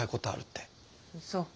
そう。